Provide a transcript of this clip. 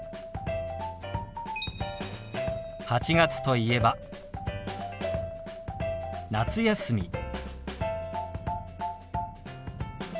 ８月といえば「夏休み」。